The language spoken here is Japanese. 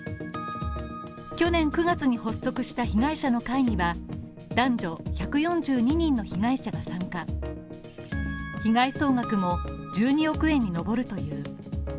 去年９月に発足した被害者の会には男女１４２人の被害者が参加被害総額も１２億円に上るという。